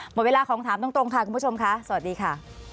หมดเวลาของถามตรงค่ะคุณผู้ชมค่ะสวัสดีค่ะ